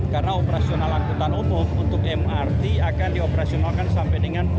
karena operasional angkutan umum untuk mrt akan dioperasionalkan sampai dengan pukul dua